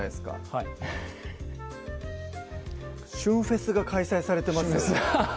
はい旬フェスが開催されてますよ